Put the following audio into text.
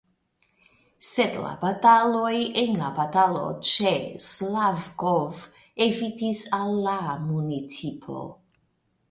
Sed la bataloj en la batalo ĉe Slavkov evitis al la municipo.